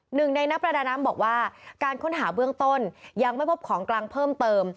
หนึ่งในนักประดาน้ำบอกว่าการค้นหาเบื้องต้นยังไม่พบของกลางเพิ่มเติม